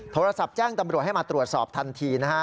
โทรศัพท์แจ้งตำรวจให้มาตรวจสอบทันทีนะฮะ